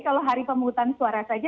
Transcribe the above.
kalau hari pemungutan suara saja